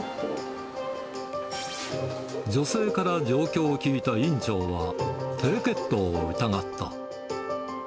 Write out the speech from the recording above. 女性から状況を聞いた院長は、低血糖を疑った。